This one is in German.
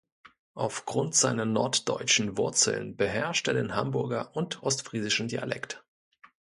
Aufgrund seiner norddeutschen Wurzeln beherrscht er den Hamburger und ostfriesischen Dialekt.